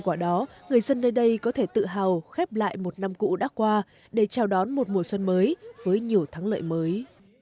quả đó người dân nơi đây có thể tự hào khép lại một năm cũ đã qua để chào đón một mùa xuân mới với nhiều thắng lợi mới